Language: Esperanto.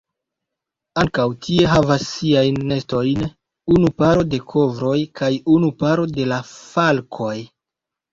Ankaŭ tie havas siajn nestojn unu paro de korvoj kaj unu paro de falkoj.